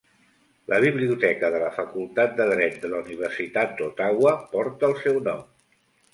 La biblioteca de la facultat de dret de la universitat d'Ottawa porta el seu nom.